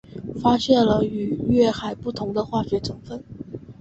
发现了与月海不同的化学成分。